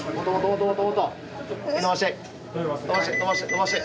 伸ばして！